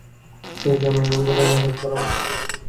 হেই, জানো, এমন ঘটনা একবার আমার সাথেও ঘটেছে।